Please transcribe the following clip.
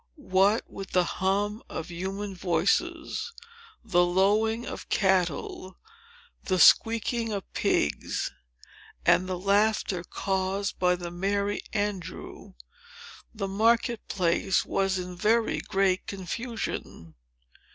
What with the hum of human voices, the lowing of cattle, the squeaking of pigs, and the laughter caused by the Merry Andrew, the market place was in very great confusion.